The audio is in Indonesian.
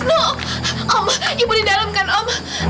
noh om ibu di dalam kan om